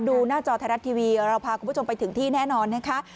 หน้าจอไทยรัฐทีวีเราพาคุณผู้ชมไปถึงที่แน่นอนนะคะ